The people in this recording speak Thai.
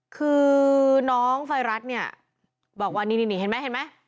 คือน้องไฟรัสเนี่ยบอกว่านี่เห็นไหมเห็นไหม